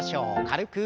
軽く。